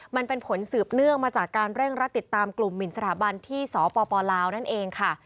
มันเป็นผลสืบเนื่องมาจากการเร่งรัดติดตามกลุ่มหมินสถาบันที่สปลาวนั่นเองค่ะ